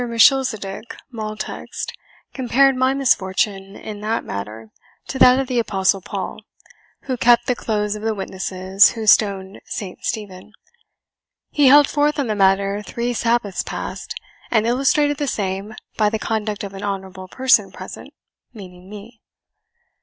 Melchisedek Maultext compared my misfortune in that matter to that of the Apostle Paul, who kept the clothes of the witnesses who stoned Saint Stephen. He held forth on the matter three Sabbaths past, and illustrated the same by the conduct of an honourable person present, meaning me."